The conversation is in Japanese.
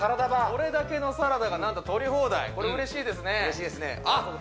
これだけのサラダがなんと取り放題これ嬉しいですね